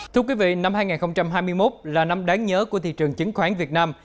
thưa quý vị năm hai nghìn hai mươi một là năm đáng nhớ của thị trường chứng khoán việt nam